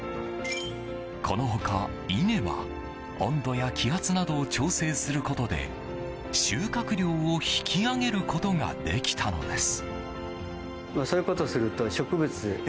この他、稲は温度や気圧などを調整することで収穫量を引き上げることができたのです。